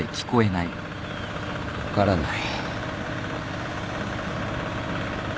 分からない。